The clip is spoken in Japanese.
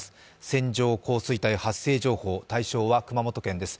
線状降水帯発生情報、対象は熊本県です。